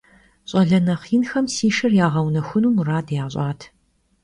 Ş'ale nexh yinxem si şşır yageunexunu murad yaş'at.